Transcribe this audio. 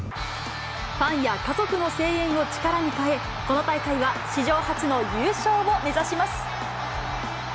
ファンや家族の声援を力に変え、この大会は史上初の優勝を目指します。